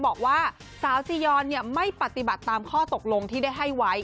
บอกว่าสาวจียอนไม่ปฏิบัติตามข้อตกลงที่ได้ให้ไว้